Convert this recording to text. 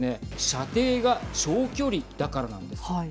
射程が長距離だからなんです。